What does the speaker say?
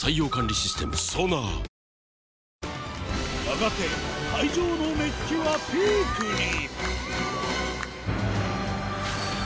やがて会場の熱気はピークに。